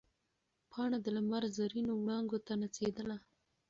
پاڼه د لمر زرینو وړانګو ته نڅېدله.